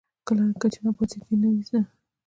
که چنه بازي دې نه وي زده.